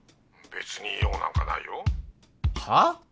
別に用なんかないよ。はあ？